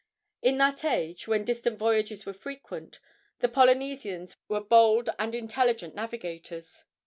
In that age, when distant voyages were frequent, the Polynesians were bold and intelligent navigators.